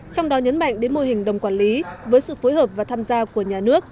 trong đó nhấn mạnh đến mô hình đồng quản lý với sự phối hợp và tham gia của nhà nước